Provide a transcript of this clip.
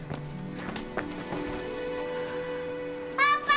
パパ！